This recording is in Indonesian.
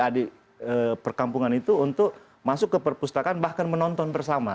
adik perkampungan itu untuk masuk ke perpustakaan bahkan menonton bersama